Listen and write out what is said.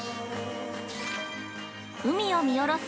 ◆海を見下ろす